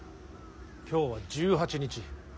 今日は１８日。